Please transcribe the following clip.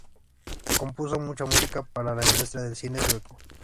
Compuso mucha música para la industria del cine sueco.